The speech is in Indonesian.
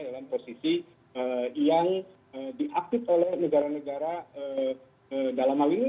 dalam posisi yang diaktif oleh negara negara dalam hal ini